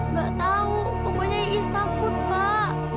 nggak tahu pokoknya iis takut pak